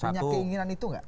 punya keinginan itu nggak